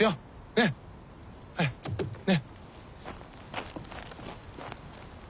ねっはい。ね。